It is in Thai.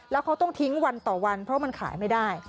แล้วเขาต้องทิ้งวันต่อวันเพราะมันขายไม่ได้